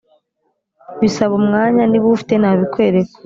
bisaba umwanya niba uwufite nabikwereka,